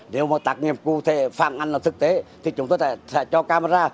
nếu mà tạc nghiệp cụ thể phạm ngăn là thực tế thì chúng tôi sẽ cho camera